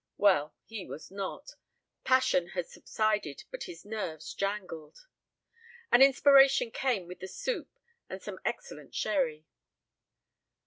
Well, he was not. Passion had subsided but his nerves jangled. And inspiration came with the soup and some excellent sherry.